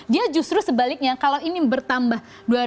dia justru sebaliknya kalau ini bertambah dua ribu